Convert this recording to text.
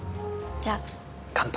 じゃあ乾杯